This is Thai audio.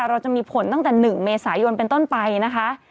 เราจะมีผลตั้งแต่๑เมษายนเป็นต้นไปนะคะ